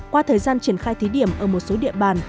qua thời gian triển khai thí điểm ở một số địa bàn